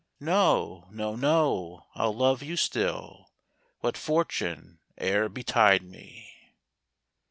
No, no, no, I'll love you still, What fortune e'er betide me.